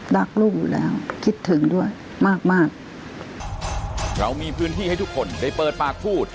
รักลูกอยู่แล้วคิดถึงด้วยมากมากเรามีพื้นที่ให้ทุกคนได้เปิดปากพูด